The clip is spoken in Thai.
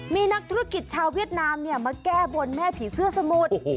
มีนักธุรกิจชาวเวียดนามมาแก้บนแม่ผีเสื้อสมุทร